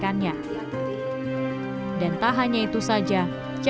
kepada hermes kian